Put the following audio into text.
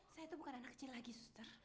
saya itu bukan anak kecil lagi suster